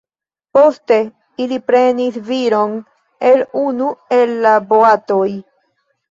Poste ili prenis viron el unu el la boatoj.